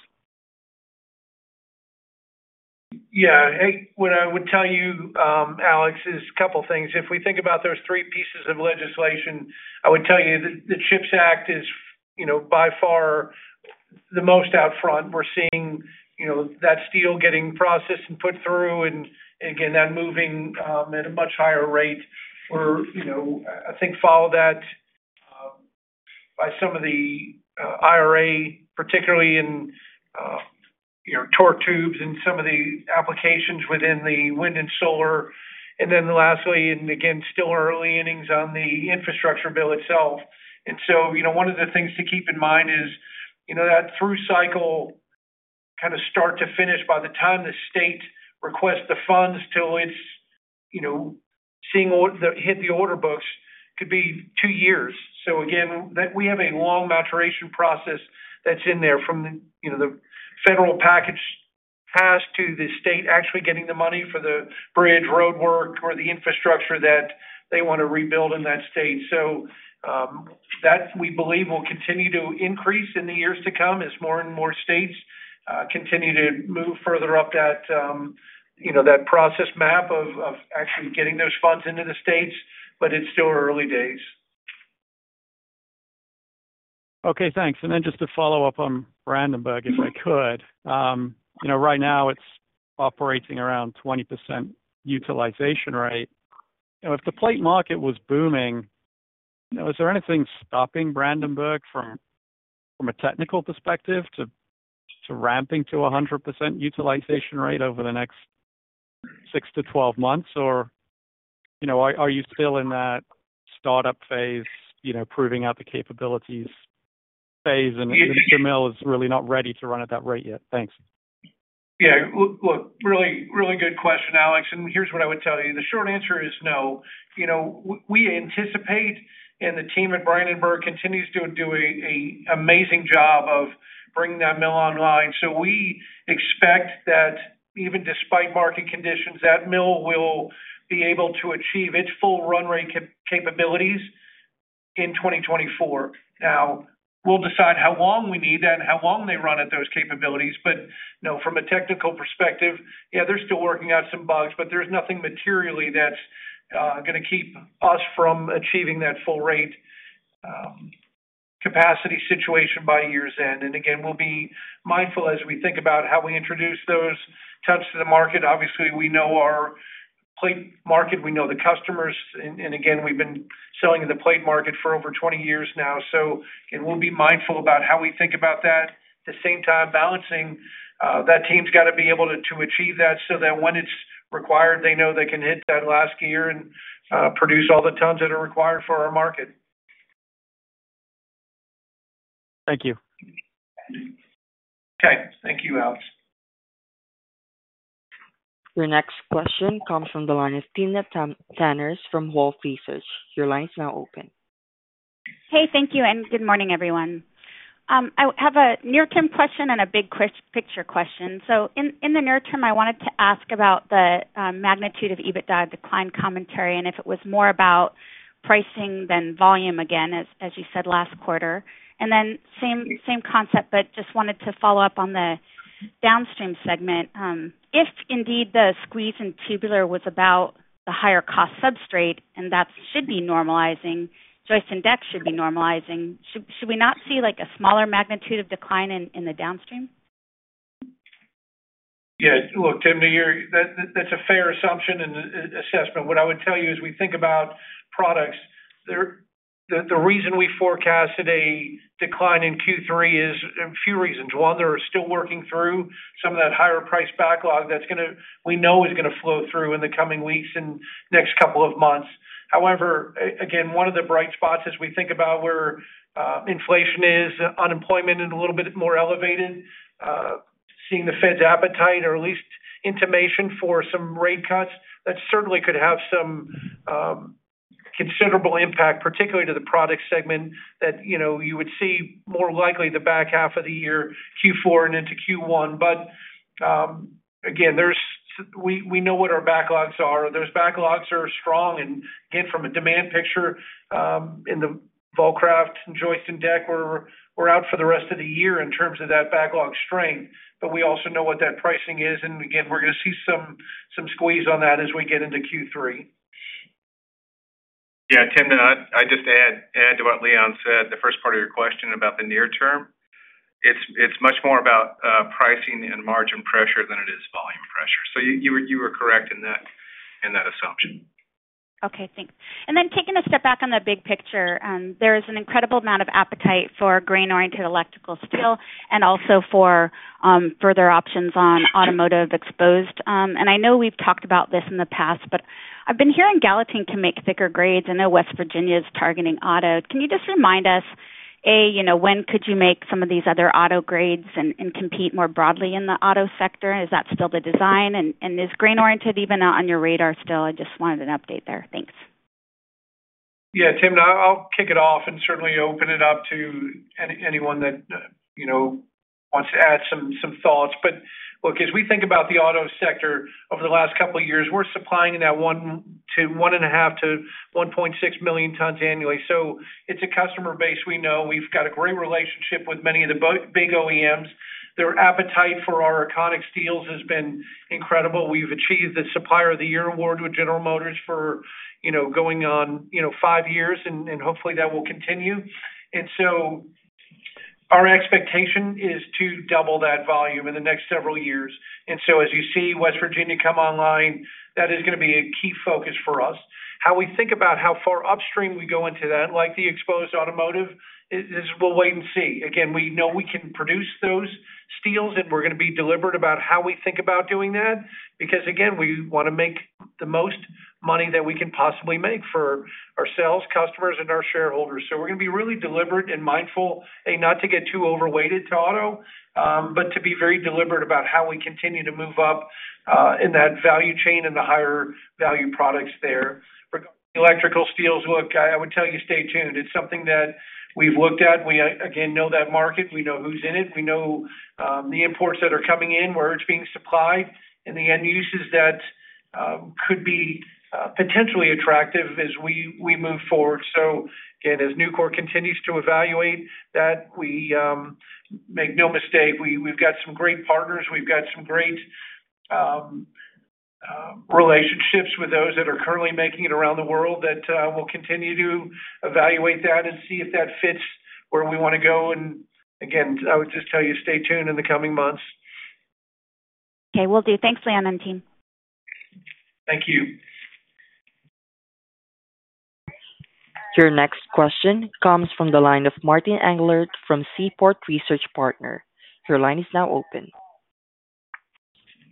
Speaker 3: Yeah. Hey, what I would tell you, Alex, is a couple of things. If we think about those three pieces of legislation, I would tell you that the CHIPS Act is, you know, by far the most out front. We're seeing, you know, that steel getting processed and put through, and again, that moving at a much higher rate, where, you know, I think follow that by some of the IRA, particularly in, you know, torque tubes and some of the applications within the wind and solar. And then lastly, and again, still early innings on the infrastructure bill itself. And so, you know, one of the things to keep in mind is, you know, that through cycle, kind of start to finish, by the time the state requests the funds till it's, you know, seeing or hit the order books, could be two years. So again, that we have a long maturation process that's in there from the, you know, the federal package passed to the state, actually getting the money for the bridge, roadwork, or the infrastructure that they want to rebuild in that state. So, that, we believe, will continue to increase in the years to come as more and more states, continue to move further up that, you know, that process map of, of actually getting those funds into the states. But it's still early days.
Speaker 15: Okay, thanks. And then just to follow up on Brandenburg, if I could. You know, right now it's operating around 20% utilization rate. You know, if the plate market was booming, you know, is there anything stopping Brandenburg from a technical perspective to ramping to 100% utilization rate over the next 6-12 months? Or, you know, are you still in that startup phase, you know, proving out the capabilities phase, and the mill is really not ready to run at that rate yet? Thanks.
Speaker 3: Yeah. Look, really, really good question, Alex, and here's what I would tell you. The short answer is no. You know, we anticipate, and the team at Brandenburg continues to do an amazing job of bringing that mill online. So we expect that even despite market conditions, that mill will be able to achieve its full run rate capabilities in 2024. Now, we'll decide how long we need that and how long they run at those capabilities. But, you know, from a technical perspective, yeah, they're still working out some bugs, but there's nothing materially that's gonna keep us from achieving that full rate capacity situation by year's end. And again, we'll be mindful as we think about how we introduce those tons to the market. Obviously, we know our plate market, we know the customers, and, and again, we've been selling in the plate market for over 20 years now. So and we'll be mindful about how we think about that. At the same time, balancing, that team's got to be able to achieve that, so that when it's required, they know they can hit that last gear and produce all the tons that are required for our market.
Speaker 15: Thank you.
Speaker 3: Okay. Thank you, Alex.
Speaker 1: Your next question comes from the line of Timna Tanners from Wolfe Research. Your line is now open.
Speaker 16: Hey, thank you, and good morning, everyone. I have a near-term question and a big picture question. So in the near term, I wanted to ask about the magnitude of EBITDA decline commentary, and if it was more about pricing than volume again, as you said, last quarter. And then same concept, but just wanted to follow up on the downstream segment. If indeed the squeeze in tubular was about the higher cost substrate, and that should be normalizing, joists and decks should be normalizing, should we not see like a smaller magnitude of decline in the downstream?...
Speaker 3: Yeah, look, Timna, to you, that, that's a fair assumption and assessment. What I would tell you as we think about products, the reason we forecasted a decline in Q3 is a few reasons. One, they're still working through some of that higher price backlog that's gonna flow through in the coming weeks and next couple of months. We know it's gonna flow through. However, again, one of the bright spots as we think about where inflation is, unemployment and a little bit more elevated, seeing the Fed's appetite or at least intimation for some rate cuts, that certainly could have some considerable impact, particularly to the product segment that, you know, you would see more likely the back half of the year, Q4 and into Q1. But again, we know what our backlogs are. Those backlogs are strong, and again, from a demand picture, in the Vulcraft and joist and deck, we're out for the rest of the year in terms of that backlog strength. But we also know what that pricing is, and again, we're gonna see some squeeze on that as we get into Q3.
Speaker 4: Yeah, Timna, and I just add to what Leon said, the first part of your question about the near term. It's much more about pricing and margin pressure than it is volume pressure. So you were correct in that assumption.
Speaker 16: Okay, thanks. And then taking a step back on the big picture, there is an incredible amount of appetite for grain-oriented electrical steel and also for, further options on automotive exposed. And I know we've talked about this in the past, but I've been hearing Gallatin can make thicker grades. I know West Virginia is targeting auto. Can you just remind us, A, you know, when could you make some of these other auto grades and compete more broadly in the auto sector? Is that still the design? And is grain-oriented even on your radar still? I just wanted an update there. Thanks.
Speaker 3: Yeah, Timna, and I'll kick it off and certainly open it up to anyone that, you know, wants to add some thoughts. But look, as we think about the auto sector over the last couple of years, we're supplying in that one to 1.5 to 1.6 million tons annually. So it's a customer base we know. We've got a great relationship with many of the big OEMs. Their appetite for our Econiq steels has been incredible. We've achieved the Supplier of the Year award with General Motors for, you know, going on, you know, five years, and hopefully, that will continue. And so our expectation is to double that volume in the next several years. And so as you see West Virginia come online, that is gonna be a key focus for us. How we think about how far upstream we go into that, like the exposed automotive, is we'll wait and see. Again, we know we can produce those steels, and we're gonna be deliberate about how we think about doing that, because, again, we wanna make the most money that we can possibly make for ourselves, customers, and our shareholders. So we're gonna be really deliberate and mindful, A, not to get too overweighted to auto, but to be very deliberate about how we continue to move up in that value chain and the higher value products there. Regarding electrical steels, look, I would tell you, stay tuned. It's something that we've looked at. We again know that market. We know who's in it. We know the imports that are coming in, where it's being supplied, and the end uses that could be potentially attractive as we move forward. So again, as Nucor continues to evaluate that, we make no mistake, we've got some great partners. We've got some great relationships with those that are currently making it around the world, that we'll continue to evaluate that and see if that fits where we wanna go. And again, I would just tell you, stay tuned in the coming months.
Speaker 16: Okay, will do. Thanks, Leon and team.
Speaker 3: Thank you.
Speaker 1: Your next question comes from the line of Martin Englert from Seaport Research Partners. Your line is now open.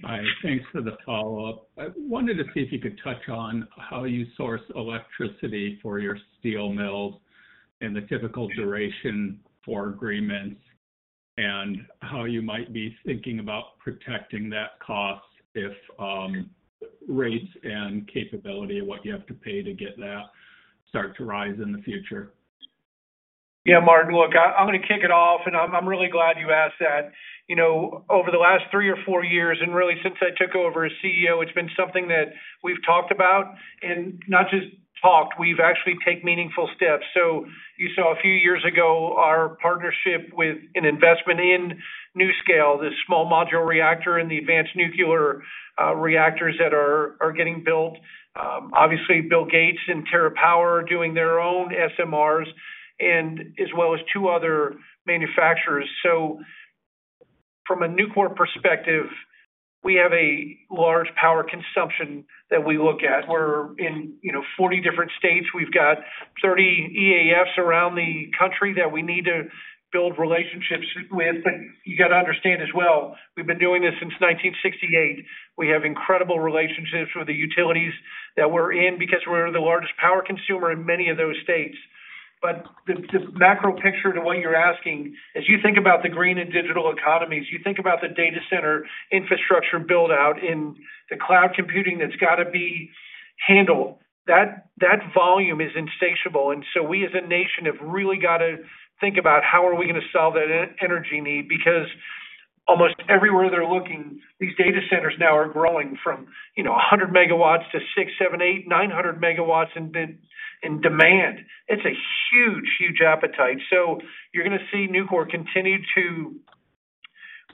Speaker 7: Hi, thanks for the follow-up. I wanted to see if you could touch on how you source electricity for your steel mills and the typical duration for agreements, and how you might be thinking about protecting that cost if, rates and capability of what you have to pay to get that start to rise in the future.
Speaker 3: Yeah, Martin, look, I'm gonna kick it off, and I'm really glad you asked that. You know, over the last three or four years, and really since I took over as CEO, it's been something that we've talked about, and not just talked, we've actually take meaningful steps. So you saw a few years ago, our partnership with an investment in NuScale, this small modular reactor and the advanced nuclear reactors that are getting built. Obviously, Bill Gates and TerraPower are doing their own SMRs and as well as two other manufacturers. So from a Nucor perspective, we have a large power consumption that we look at. We're in, you know, 40 different states. We've got 30 EAFs around the country that we need to build relationships with, but you got to understand as well, we've been doing this since 1968. We have incredible relationships with the utilities that we're in because we're the largest power consumer in many of those states. But the macro picture to what you're asking, as you think about the green and digital economies, you think about the data center infrastructure build-out and the cloud computing that's got to be handled, that volume is insatiable. And so we, as a nation, have really got to think about how are we gonna solve that energy need, because almost everywhere they're looking, these data centers now are growing from, you know, 100 MW to 600, 700, 800, 900 MW in demand. It's a huge, huge appetite. So you're gonna see Nucor continue to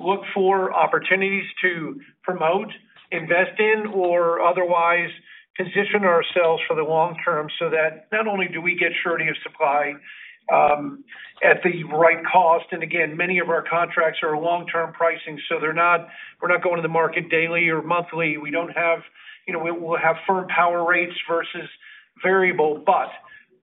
Speaker 3: look for opportunities to promote, invest in, or otherwise position ourselves for the long term, so that not only do we get surety of supply... at the right cost. And again, many of our contracts are long-term pricing, so they're not—we're not going to the market daily or monthly. We don't have, you know, we'll have firm power rates versus variable, but,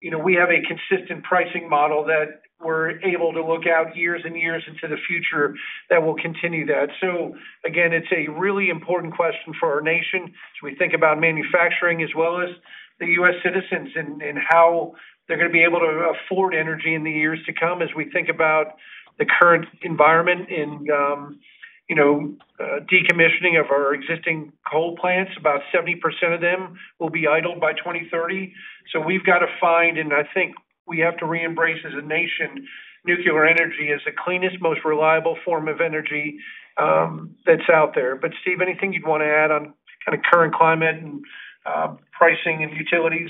Speaker 3: you know, we have a consistent pricing model that we're able to look out years and years into the future that will continue that. So again, it's a really important question for our nation as we think about manufacturing, as well as the U.S. citizens, and how they're gonna be able to afford energy in the years to come as we think about the current environment in, you know, decommissioning of our existing coal plants. About 70% of them will be idled by 2030. So we've got to find, and I think we have to re-embrace as a nation, nuclear energy as the cleanest, most reliable form of energy, that's out there. But, Steve, anything you'd want to add on kind of current climate and, pricing and utilities?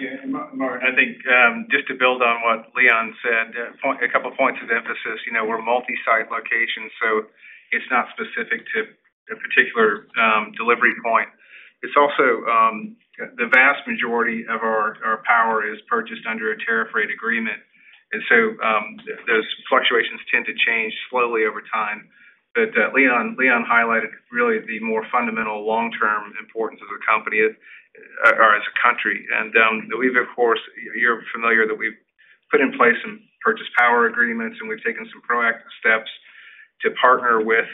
Speaker 4: Yeah, Martin, I think just to build on what Leon said, a couple of points of emphasis. You know, we're a multi-site location, so it's not specific to a particular delivery point. It's also the vast majority of our power is purchased under a tariff rate agreement, and so those fluctuations tend to change slowly over time. But Leon highlighted really the more fundamental long-term importance of the company as or as a country. And we've, of course, you're familiar, that we've put in place some purchase power agreements, and we've taken some proactive steps to partner with,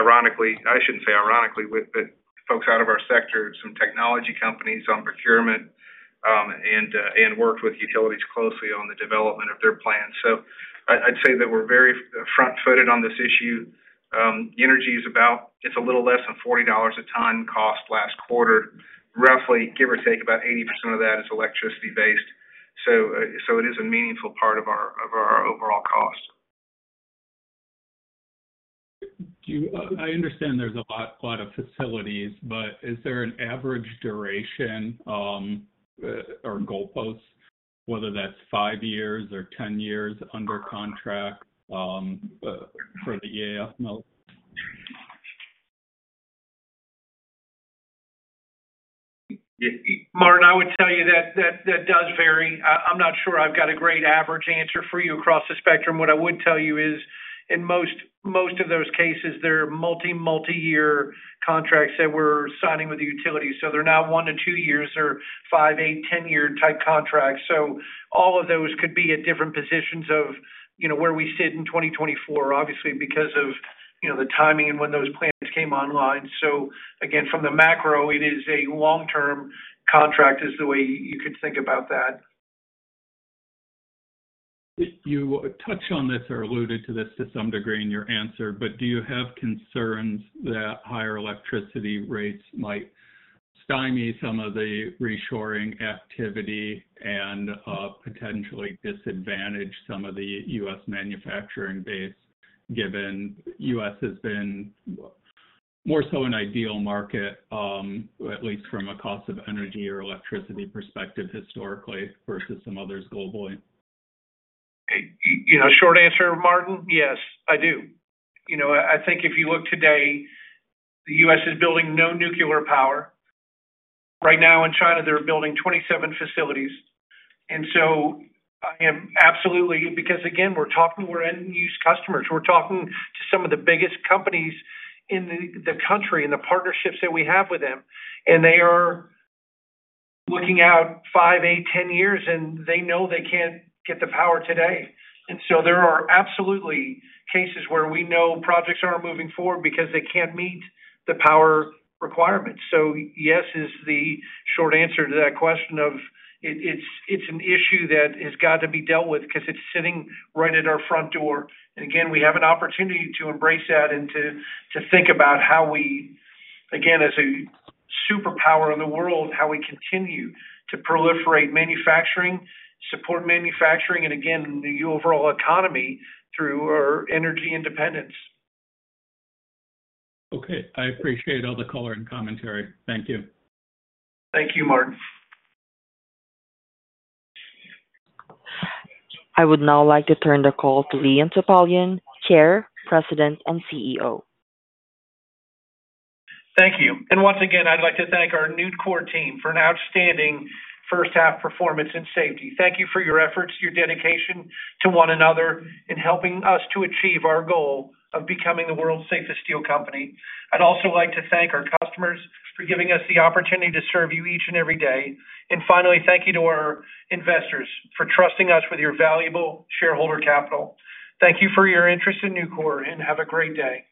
Speaker 4: ironically, I shouldn't say ironically, with the folks out of our sector, some technology companies on procurement, and worked with utilities closely on the development of their plans. So I'd say that we're very front-footed on this issue. Energy is about. It's a little less than $40 a ton cost last quarter. Roughly, give or take, about 80% of that is electricity-based, so it is a meaningful part of our overall cost.
Speaker 7: Do you? I understand there's a lot, lot of facilities, but is there an average duration, or goalposts, whether that's five years or 10 years under contract, for the EAF mill?
Speaker 3: Martin, I would tell you that, that does vary. I, I'm not sure I've got a great average answer for you across the spectrum. What I would tell you is, in most, most of those cases, there are multi, multi-year contracts that we're signing with the utilities, so they're now one to two years or five, eight, 10-year type contracts. So all of those could be at different positions of, you know, where we sit in 2024, obviously, because of, you know, the timing and when those plans came online. So again, from the macro, it is a long-term contract, is the way you could think about that.
Speaker 7: You touched on this or alluded to this to some degree in your answer, but do you have concerns that higher electricity rates might stymie some of the reshoring activity and, potentially disadvantage some of the U.S. manufacturing base, given U.S. has been more so an ideal market, at least from a cost of energy or electricity perspective, historically, versus some others globally?
Speaker 3: You know, short answer, Martin, yes, I do. You know, I think if you look today, the U.S. is building no nuclear power. Right now in China, they're building 27 facilities. And so I am absolutely, because, again, we're talking, we're end-use customers. We're talking to some of the biggest companies in the, the country and the partnerships that we have with them, and they are looking out five, eight, 10 years, and they know they can't get the power today. And so there are absolutely cases where we know projects aren't moving forward because they can't meet the power requirements. So yes, is the short answer to that question of... It's an issue that has got to be dealt with because it's sitting right at our front door. Again, we have an opportunity to embrace that and to think about how we, again, as a superpower in the world, how we continue to proliferate manufacturing, support manufacturing, and again, the overall economy through our energy independence.
Speaker 7: Okay, I appreciate all the color and commentary. Thank you.
Speaker 3: Thank you, Martin.
Speaker 1: I would now like to turn the call to Leon Topalian, Chair, President, and CEO.
Speaker 3: Thank you. Once again, I'd like to thank our Nucor team for an outstanding first half performance and safety. Thank you for your efforts, your dedication to one another in helping us to achieve our goal of becoming the world's safest steel company. I'd also like to thank our customers for giving us the opportunity to serve you each and every day. Finally, thank you to our investors for trusting us with your valuable shareholder capital. Thank you for your interest in Nucor, and have a great day.